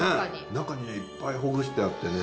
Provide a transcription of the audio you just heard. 中にいっぱいほぐしてあってね。